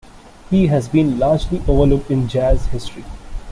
He has been largely overlooked in jazz history.